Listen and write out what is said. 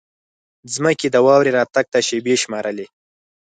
ځمکې د واورې راتګ ته شېبې شمېرلې.